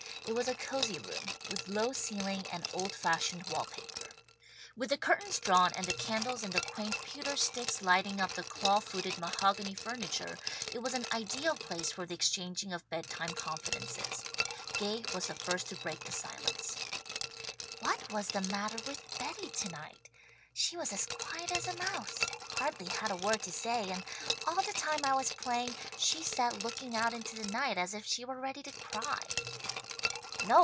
It was a cosy room, with low ceiling and old fashioned wall paper. With the curtains drawn and the candles in the quaint pewter sticks lighting up the claw footed mahogany furniture, it was an ideal place for the exchanging of bedtime confidences. Gay was the first to break the silence. "What was the matter with Betty tonight? She was as quiet as a mouse. Hardly had a word to say, and all the time I was playing, she sat looking out into the night as if she were ready to cry."